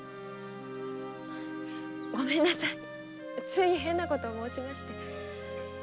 ごめんなさいつい変なことを申しまして。